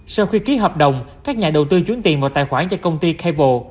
sau khi ký hợp đồng các nhà đầu tư chuyển tiền vào tài khoản cho công ty capo